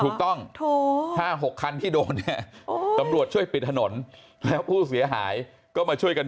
ถูกต้อง๕๖คันที่โดนเนี่ยตำรวจช่วยปิดถนนแล้วผู้เสียหายก็มาช่วยกัน